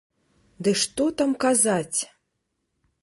Ды што там казаць!